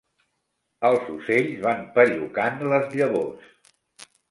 Els ocells van pellucant les llavors.